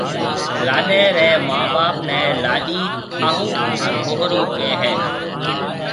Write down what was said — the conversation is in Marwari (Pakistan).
لاڏيَ ريَ مان ٻاپ نَي لاڏيِ هاهوُ هانَ هوُرو ڪهيَ هيَ۔